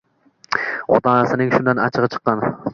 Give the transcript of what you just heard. Onasining shundan achchig`i chiqqan